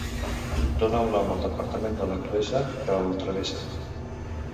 Dóna el nom al departament de la Cruesa, que el travessa.